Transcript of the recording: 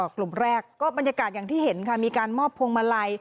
กลุ่มแรกก็บรรยากาศอย่างที่เห็นค่ะมีการมอบพวงมาลัย